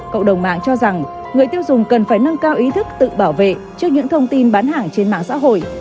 cộng đồng mạng cho rằng người tiêu dùng cần phải nâng cao ý thức tự bảo vệ trước những thông tin bán hàng trên mạng xã hội